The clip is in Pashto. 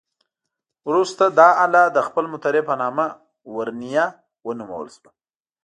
وروسته دا آله د خپل مخترع په نامه "ورنیه" ونومول شوه.